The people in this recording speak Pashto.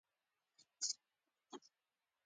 ګلان د کور دننه هم ساتل کیږي.